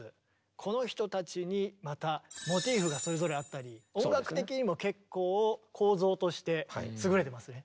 この人たちにまたモチーフがそれぞれあったり音楽的にも結構構造として優れてますね。